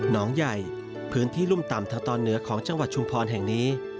น้องใหญ่พื้นที่รุ่มต่ำแถวตอนเหนือของจังหวัดชุมพรแห่งนี้